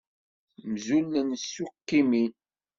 Mzulen s tukkimin.